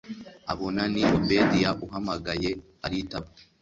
abona ni obedia uhamagayearitaba